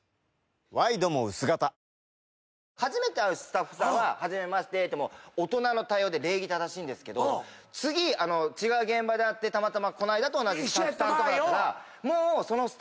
ワイドも薄型初めて会うスタッフさんは大人の対応で礼儀正しいんですけど次違う現場で会ってこの間と同じスタッフさんとかだったら。